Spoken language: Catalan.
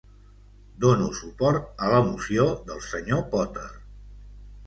Dono suport a la moció del Sr. Potter.